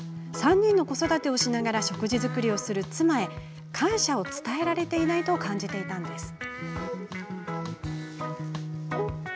３人の子育てをしながら食事作りをする妻へ感謝を伝えられていないと感じていたんです。